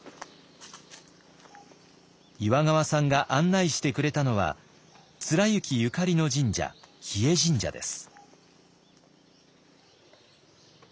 岩川さんが案内してくれたのは貫之ゆかりの神社日吉神社です。